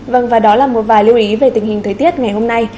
vâng và đó là một vài lưu ý về tình hình thời tiết ngày hôm nay